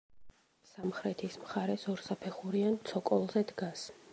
სამხრეთის მხარეს ორსაფეხურიან ცოკოლზე დგას.